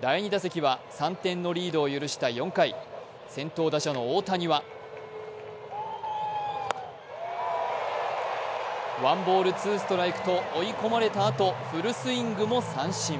第２打席は３点のリードを許した４回、先頭打者の大谷はワンボール・ツーストライクと追い込まれたあと、フルスイングも三振。